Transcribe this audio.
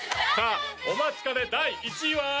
さあお待ちかね第１位は！